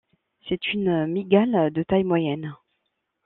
C'est une mygale de taille moyenne.